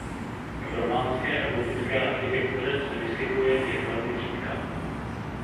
V románské a gotické architektuře se vyskytuje jen velmi zřídka.